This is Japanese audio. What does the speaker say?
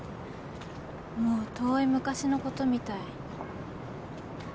もう遠い昔のことみたい。